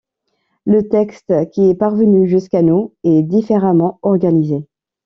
Le texte qui est parvenu jusqu'à nous est différemment organisé.